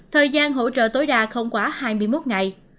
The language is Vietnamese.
thời gian hỗ trợ tối đa không quá hai mươi một ngày